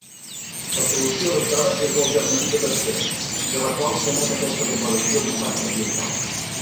La solució adoptada és l'alternativa tercera, de la qual s'emet aquesta declaració d'impacte ambiental.